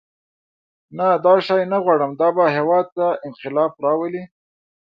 نه دا شی نه غواړم دا به هېواد ته انقلاب راولي.